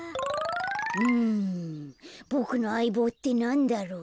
うんボクのあいぼうってなんだろう？